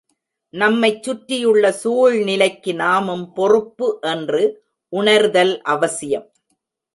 நம்மைச் சுற்றியுள்ள சூழ்நிலைக்கு நாமும் பொறுப்பு என்று உணர்தல் அவசியம்.